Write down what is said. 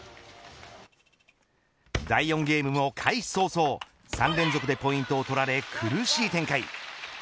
第４ゲームも開始早々３連続でポイントを取られ苦しい展開。